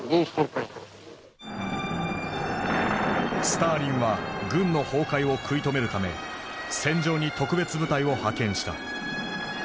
スターリンは軍の崩壊を食い止めるため戦場に特別部隊を派遣した。